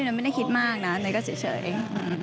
ไม่ได้คิดมากนะเนยก็เฉย